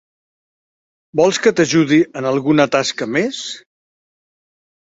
Vols que t'ajudi en alguna tasca més?